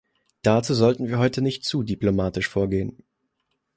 Dazu sollten wir heute nicht zu diplomatisch vorgehen.